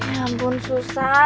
ya ampun susah